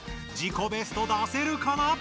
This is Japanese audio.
自己ベスト出せるかな？